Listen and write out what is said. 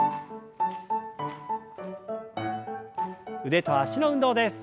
腕と脚の運動です。